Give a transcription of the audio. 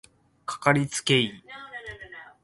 かかりつけ医